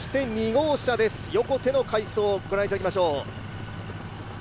２号車です、横手の快走をご覧いただきましょう。